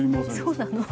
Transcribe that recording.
そうなの？